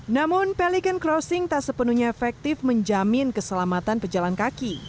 namun pelikan crossing tak sepenuhnya efektif menjamin keselamatan pejalan kaki